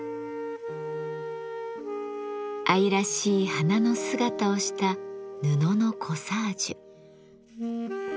愛らしい花の姿をした布のコサージュ。